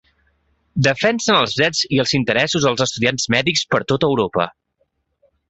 Defensen dels drets i els interessos del estudiants mèdics per tota Europa.